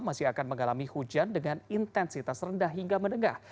masih akan mengalami hujan dengan intensitas rendah hingga menengah